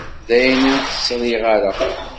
Dayen, ur t-sriɣ ara.